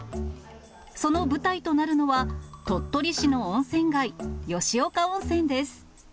その舞台となるのは、鳥取市の温泉街、吉岡温泉です。